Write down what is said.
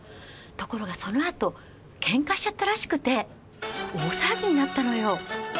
ところがそのあと喧嘩しちゃったらしくて大騒ぎになったのよ。